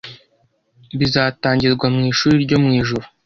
bizatangirwa mu ishuri ryo mu ijuru